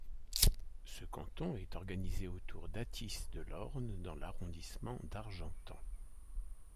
Ce canton est organisé autour d'Athis-de-l'Orne dans l'arrondissement d'Argentan.